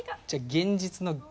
じゃあ現実の。